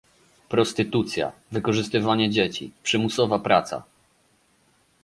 Prostytucja, wykorzystywanie dzieci, przymusowa praca